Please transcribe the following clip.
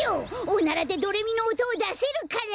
おならでドレミのおとをだせるから！